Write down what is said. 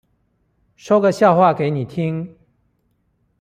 說個笑話給你聽